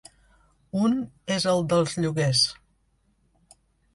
Un és el dels lloguers.